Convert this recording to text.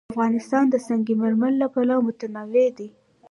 افغانستان د سنگ مرمر له پلوه متنوع دی.